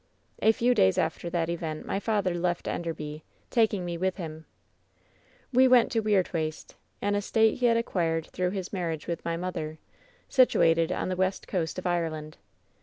"A few days after that event my father left Enderby,. taking me with him. "We went to Weirdwaste, an estate he had acquired through his marriage with my mother, situated ©n the west coast of Ireland.